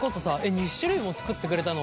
２種類も作ってくれたの？